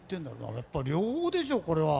やっぱり両方でしょ、これは。